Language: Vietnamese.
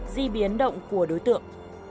di biến động của đối tượng